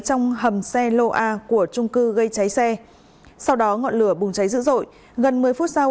trong hầm xe lô a của trung cư gây cháy xe sau đó ngọn lửa bùng cháy dữ dội gần một mươi phút sau